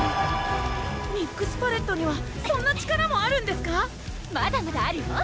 ⁉ミックスパレットにはそんな力もあるんですかまだまだあるよ